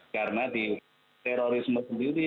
karena di terorisme sendiri